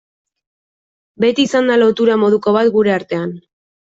Beti izan da lotura moduko bat gure artean.